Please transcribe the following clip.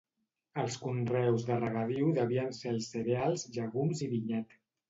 Els conreus de regadiu devien ser els cereals, llegums i vinyet.